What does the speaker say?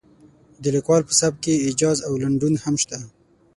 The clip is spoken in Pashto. د لیکوال په سبک کې ایجاز او لنډون هم شته.